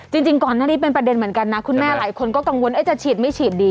จริงก่อนหน้านี้เป็นประเด็นเหมือนกันนะคุณแม่หลายคนก็กังวลจะฉีดไม่ฉีดดี